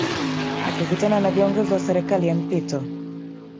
akikutana na viongozi wa serikali ya mpito